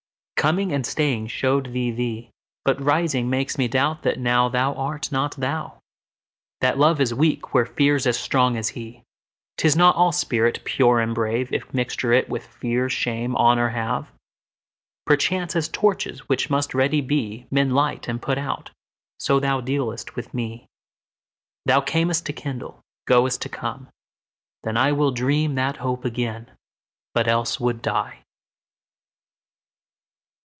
Coming and staying show'd thee thee; But rising makes me doubt that nowThou art not thou. That Love is weak where Fear's as strong as he;'Tis not all spirit pure and brave, If mixture it of Fear, Shame, Honour have. Perchance, as torches, which must ready be, Men light and put out, so thou dealst with me. Thou cam'st to kindle, goest to come: then IWill dream that hope again, but else would die.